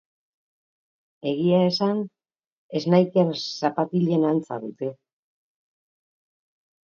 Egia esan, sneakers zapatilen antza dute.